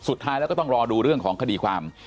สุดท้ายแล้วก็ต้องรอดูเรื่องของคดีความ